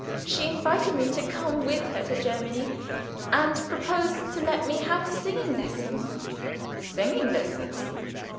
She invited me to come with her to Germany, and promised to let me have singing lessons." "Singing lessons?"